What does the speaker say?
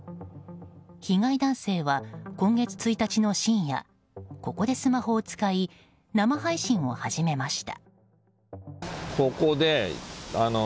被害男性は今月１日の深夜ここでスマホを使い生配信を始めました。